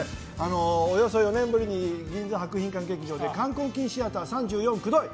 およそ４年ぶりに銀座博品館劇場で「カンコンキンシアター３４クドい！